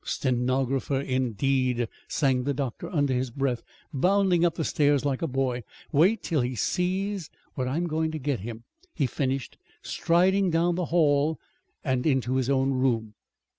"Stenographer, indeed!" sang the doctor under his breath, bounding up the stairs like a boy. "Wait till he sees what I am going to get him!" he finished, striding down the hall and into his own room.